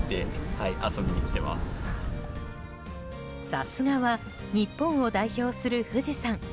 さすがは日本を代表する富士山。